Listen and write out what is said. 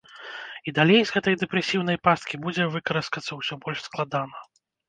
І далей з гэтай дэпрэсіўнай пасткі будзе выкараскацца ўсё больш складана.